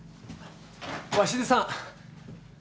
鷲津さん！